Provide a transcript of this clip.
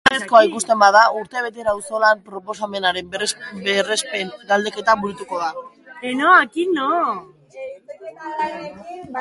Beharrezkoa ikusten bada, urtebetera auzolan proposamenaren berrespen galdeketa burutuko da.